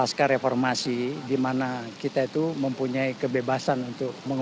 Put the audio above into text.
saya tidak paham